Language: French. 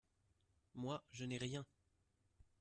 Moi, je n’ai rien !